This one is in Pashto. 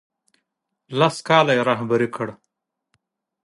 لس کاله یې رهبري کړ.